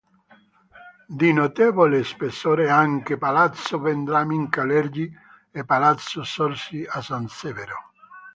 Di notevole spessore anche Palazzo Vendramin-Calergi e Palazzo Zorzi a San Severo.